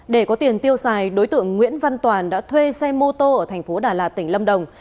để có tiền tiêu xài đối tượng nguyễn văn toàn đã thuê xe mô tô ở thành phố đà lạt tỉnh lâm đồng